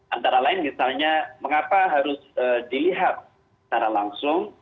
antara lain misalnya mengapa harus dilihat secara langsung